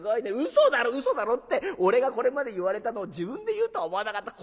嘘だろ嘘だろって俺がこれまで言われたのを自分で言うとは思わなかった。